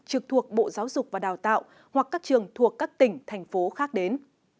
trực thuộc bộ giáo dục và đào tạo hoặc các trường thuộc các tỉnh thành phố khác đến